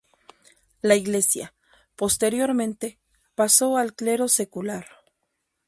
La Iglesia, posteriormente, pasó al clero secular.